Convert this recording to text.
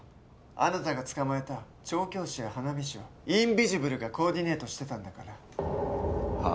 あなたが捕まえた調教師や花火師はインビジブルがコーディネートしてたんだからはあ？